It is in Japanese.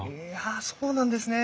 あそうなんですね。